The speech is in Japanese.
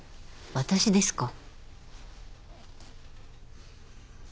私ですか？